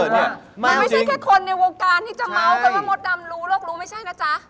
มันไม่ใช่แค่คนในวงการที่จะเมาส์กันว่ามดดำรู้โลกรู้ไม่ใช่นะจ๊ะ